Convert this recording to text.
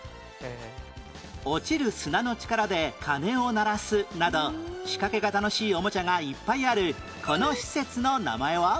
落ちる砂の力で鐘を鳴らすなど仕掛けが楽しいおもちゃがいっぱいあるこの施設の名前は？